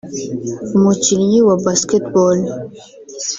umukinnyi wa basketball